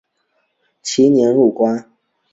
其年入关。